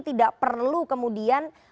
tidak perlu kemudian